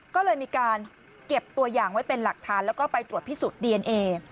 ก็เลยมีการเก็บตัวอย่างไว้เป็นหลักฐานแล้วก็ไปตรวจพิสูจน์ดีเอนเอ